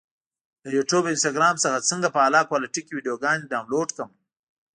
له یوټیوب او انسټاګرام څخه څنګه په اعلی کوالټي کې ویډیوګانې ډاونلوډ کړم؟